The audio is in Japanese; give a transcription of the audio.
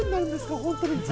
本当に。